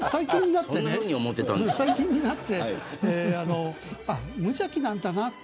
最近になって無邪気なんだなと。